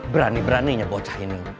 berani beraninya bocah ini